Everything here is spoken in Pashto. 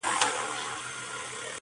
پر هر ځای چي به ملګري وه ښاغلي!!